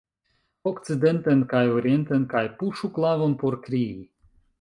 Okcidenten kaj orienten kaj puŝu klavon por krii.